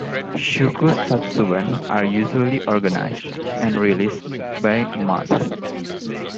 "Shukusatsuban" are usually organized and released by month.